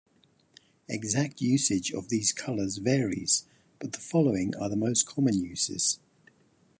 Exact usage of these colours varies, but the following are the most common uses.